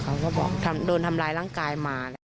เขาก็บอกโดนทำร้ายร่างกายมา